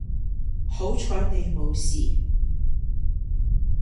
好彩你冇事